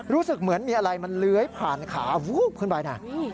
รู้สึกเหมือนมีอะไรมันเลื้อยผ่านขาวูบขึ้นไปนะ